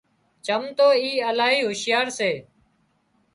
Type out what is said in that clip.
چم تو اِي الاهي هُوشيار سي